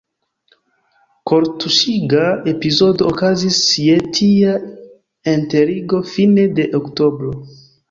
Kortuŝiga epizodo okazis je tia enterigo fine de Oktobro.